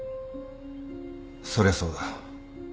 そりゃそうだ。